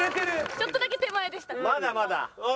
ちょっとだけ手前でした。